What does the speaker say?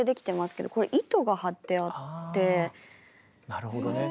なるほどね。